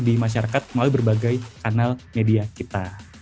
di masyarakat melalui berbagai kanal media kita